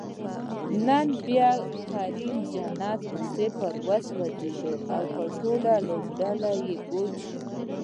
نن بیا کریم جنت په صفر وسوځید، او په ټوله لوبډله بوج شو